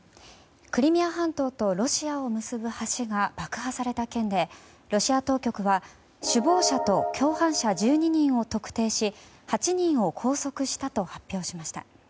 クリミア半島とロシアを結ぶ橋が爆破された件でロシア当局は首謀者と共犯者１２人を特定し８人を拘束したと発表しました。